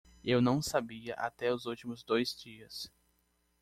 Eu não sabia até os últimos dois dias.